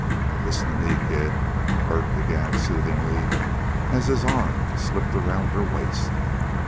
"Listen to me, kid," Bert began soothingly, as his arm slipped around her waist.